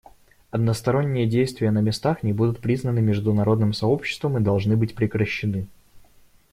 Односторонние действия на местах не будут признаны международным сообществом и должны быть прекращены.